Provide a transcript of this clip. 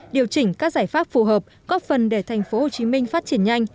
điều chỉnh các giải pháp phù hợp góp phần để thành phố hồ chí minh phát triển nhanh